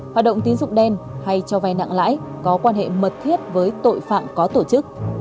hoạt động tín dụng đen hay cho vay nặng lãi có quan hệ mật thiết với tội phạm có tổ chức